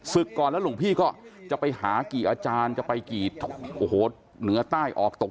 ก่อนแล้วหลวงพี่ก็จะไปหากี่อาจารย์จะไปกี่โอ้โหเหนือใต้ออกตก